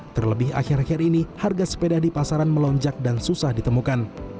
terlebih akhir akhir ini harga sepeda di pasaran melonjak dan susah ditemukan